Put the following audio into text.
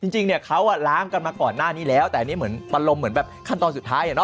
จริงเนี่ยเขาล้างกันมาก่อนหน้านี้แล้วแต่อันนี้เหมือนอารมณ์เหมือนแบบขั้นตอนสุดท้าย